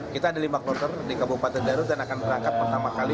kita ada lima kloter di kabupaten garut dan akan berangkat pertama kali